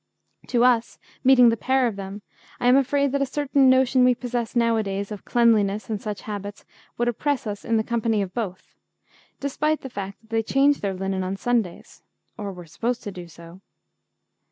To us, meeting the pair of them, I am afraid that a certain notion we possess nowadays of cleanliness and such habits would oppress us in the company of both, despite the fact that they changed their linen on Sundays, or were supposed to do so.